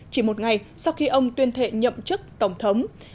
chỉ một ngày sau khi ông tuyên thệ nhậm chức tổng thống